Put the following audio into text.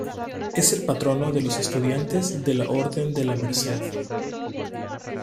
Es el patrono de los estudiantes de la Orden de la Merced.